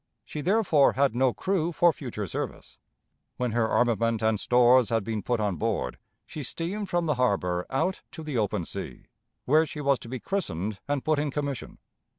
She therefore had no crew for future service. When her armament and stores had been put on board, she steamed from the harbor out to the open sea, where she was to be christened and put in commission.